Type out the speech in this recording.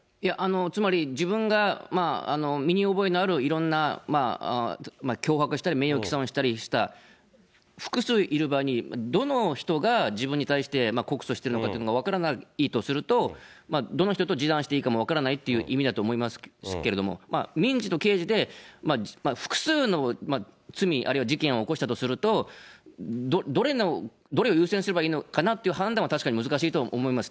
つまり、自分が身に覚えのあるいろんな脅迫したり、名誉毀損したりした複数いる場合に、どの人が自分に対して告訴してるのかっていうのが分からないとすると、どの人と示談していいか分からないっていう意味だと思いますけれども、民事と刑事で、複数の罪、あるいは事件を起こしたとすると、どれを優先すればいいのかなっていう判断は確かに難しいと思います。